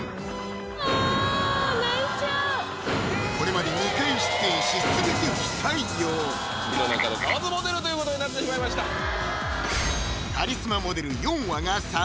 あこれまで２回出演し全て不採用井の中の蛙モデルということになってしまいましたえ！